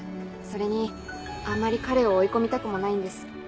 それにあんまり彼を追い込みたくもないんです。